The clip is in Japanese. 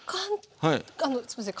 すみません